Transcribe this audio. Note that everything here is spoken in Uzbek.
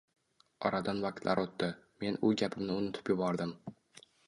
Oradan vaqtlar o`tdi, men u gapimni unutib yubordim